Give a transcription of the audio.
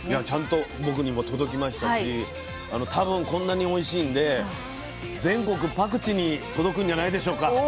ちゃんと僕にも届きましたし多分こんなにおいしいんで全国パクチに届くんじゃないでしょうか。